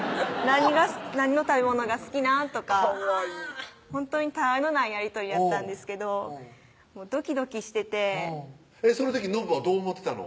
「何の食べ物が好きなん？」とかかわいいほんとに他愛のないやり取りやったんですけどドキドキしててその時のぶはどう思ってたの？